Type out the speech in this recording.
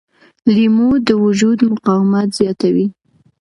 لیمو د وجود مقاومت زیاتوي.